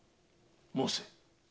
申せ。